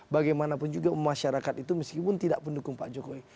bagaimanapun juga masyarakat itu meskipun tidak mendukung pak jokowi